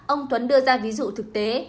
ông tuấn đưa ra ví dụ thực tế